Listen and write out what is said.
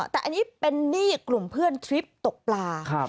แต่อันนี้เป็นหนี้กลุ่มเพื่อนทริปตกปลา